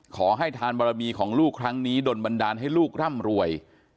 ขอให้ทานบารมีของลูกครั้งนี้โดนบันดาลให้ลูกร่ำรวย